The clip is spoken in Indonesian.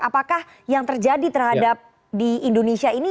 apakah yang terjadi terhadap di indonesia ini